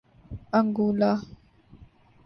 Angola